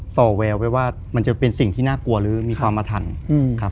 ่อแววไปว่ามันจะเป็นสิ่งที่น่ากลัวหรือมีความอธรรมครับ